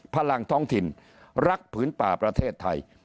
พลังท้องถิ่นรักผืนป่าประเทศไทย